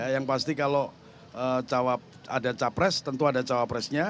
yang pasti kalau ada cawa pres tentu ada cawa presnya